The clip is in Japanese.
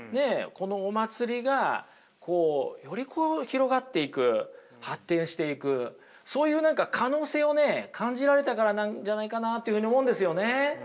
このお祭りがより広がっていく発展していくそういう可能性をね感じられたからなんじゃないかなというふうに思うんですよね。